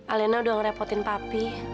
alena udah ngerepotin papi